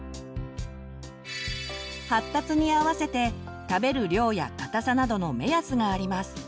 発達に合わせて食べる量や硬さなどの目安があります。